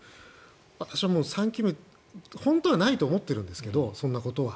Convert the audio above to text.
私は３期目本当はないと思っているんですけどそんなことは。